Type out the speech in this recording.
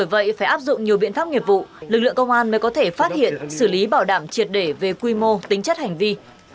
vậy phải áp dụng nhiều biện pháp nghiệp vụ lực lượng công an mới có thể phát hiện xử lý bảo đảm triệt để về quy mô tính chất hành vi